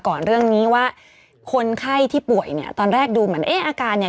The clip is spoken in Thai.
ก่อนหน้านี้ว่าคนไข้ที่ป่วยเนี่ยตอนแรกดูเหมือนเอ๊ะอาการเนี่ย